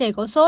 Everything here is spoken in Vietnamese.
trẻ có sốt